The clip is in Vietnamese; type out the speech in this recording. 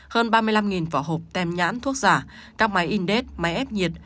hơn ba mươi năm vỏ hộp tem nhãn thuốc giả các máy in đết máy ép nhiệt